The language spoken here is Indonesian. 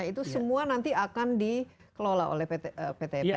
itu semua nanti akan dikelola oleh ptbn